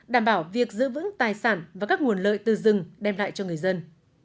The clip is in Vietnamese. đảm bảo việc giữ vững tài sản và các nguồn lợi từ rừng đem lại cho người dân